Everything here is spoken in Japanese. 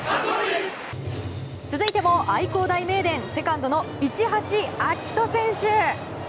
続いても愛工大名電セカンドの市橋昂士選手。